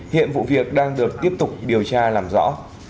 hiện vụ việc đang được tiếp tục điều tra làm rõ